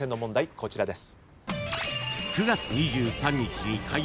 こちらです。